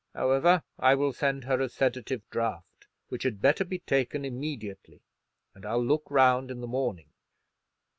However, I will send her a sedative draught, which had better be taken immediately, and I'll look round in the morning."